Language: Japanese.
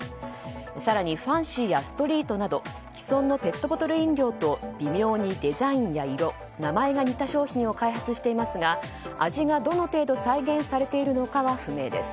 更にファンシーやストリートなど既存のペットボトル飲料と微妙にデザインや色名前が似た商品を開発していますが味がどの程度再現されているのかは不明です。